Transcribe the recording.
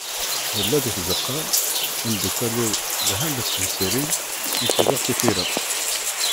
Nella di tzeqqa, imeddukkal-iw, lhan-d d temsirin, nekk rriɣ-tt i tira.